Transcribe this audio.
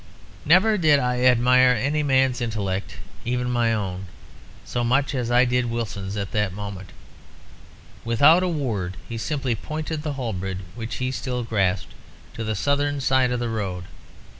"Never did I admire any man's intellect (even my own) so much as I did Wilson's at that moment. Without a word, he simply pointed the halberd (which he still grasped) to the southern side of the road.